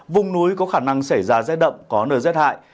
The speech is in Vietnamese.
vùng núi có khả năng xảy ra rét đậm có nơi rét hại